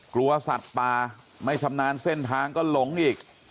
กลัวสัตว์ป่าไม่ชำนาญเส้นทางก็หลงอีก